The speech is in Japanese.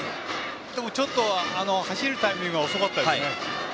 ちょっと走るタイミングが遅かったですね。